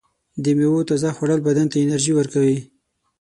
د میوو تازه خوړل بدن ته انرژي ورکوي.